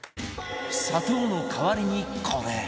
砂糖の代わりにこれ！